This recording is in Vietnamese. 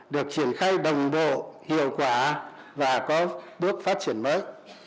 được triển khai đồng bộ hiệu quả và có bước phát triển mới